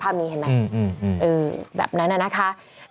ภาพนี้เห็นไหมแบบนั้นนะคะ